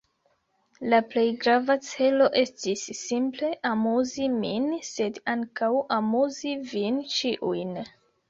La plej grava celo estis simple amuzi min, sed ankaŭ amuzi vin ĉiujn.